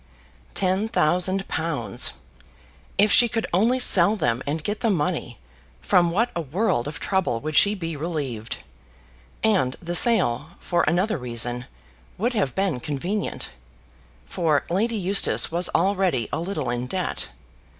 Ten thousand pounds! If she could only sell them and get the money, from what a world of trouble would she be relieved. And the sale, for another reason, would have been convenient; for Lady Eustace was already a little in debt.